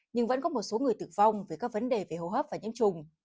nhưng vẫn có một số người tử vong về các vấn đề về hô hấp và nhiễm trùng